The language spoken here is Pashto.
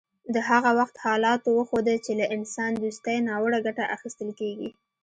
د هغه وخت حالاتو وښوده چې له انسان دوستۍ ناوړه ګټه اخیستل کیږي